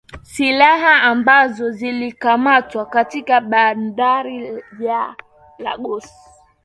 silaha ambazo zilikamatwa katika bandari ya lagos